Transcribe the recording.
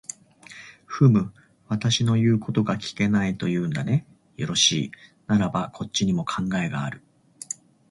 ふむ、私の言うことが聞けないと言うんだね。よろしい、ならばこっちにも考えがある。